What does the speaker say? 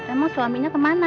emang suaminya kemana